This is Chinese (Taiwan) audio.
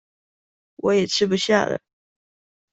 我也吃不下了